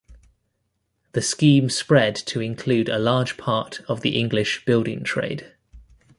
The scheme spread to include a large part of the English building trade.